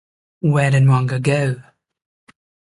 Where did Mwanga go?